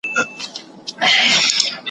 برابر پر نعمتونو سو ناپامه `